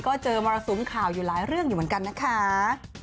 ก็เจอมรสุมข่าวอยู่หลายเรื่องอยู่เหมือนกันนะคะ